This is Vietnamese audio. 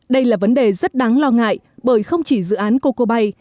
đây là vấn đề rất đáng lo ngại bởi không chỉ dự án coco bay